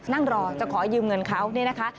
นั่งรอจะขอยืมเงินเขาเนี่ยนะคะ